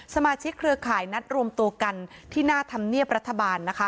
สมาชิกเครือข่ายนัดรวมตัวกันที่หน้าธำเนียบรัฐบาล